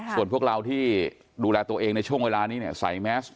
ส่วนพวกเราที่ดูแลตัวเองในช่วงเวลานี้เนี่ยใส่แมส